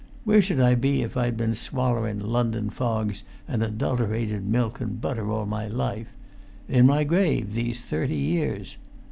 Where should I be if I'd been swallerun London fogs and adulterated milk and butter all my life? In my grave these thirty years!